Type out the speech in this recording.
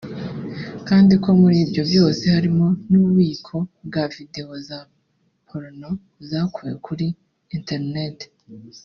kandi ko muri ibyo byose harimo n’ububiko bwa videwo za « porno » zakuwe kuri internet